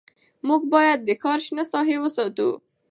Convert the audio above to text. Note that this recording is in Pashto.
موږ باید د ښار شنه ساحې وساتو